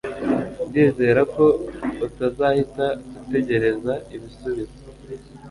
Ndizera ko utazahita utegereza ibisubizo